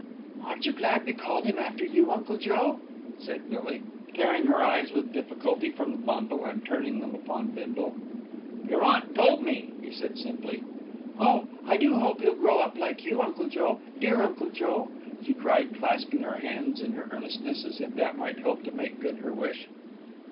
"Aren't you glad we called him after you, Uncle Joe?" said Millie, tearing her eyes with difficulty from the bundle and turning them upon Bindle. "Yer aunt told me," he said simply. "Oh! I do hope he'll grow up like you, Uncle Joe, dear Uncle Joe," she cried, clasping her hands in her earnestness, as if that might help to make good her wish.